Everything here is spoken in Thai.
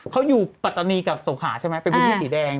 เขาอยู่ปัตตานีกับสงขาใช่ไหมเป็นพื้นที่สีแดง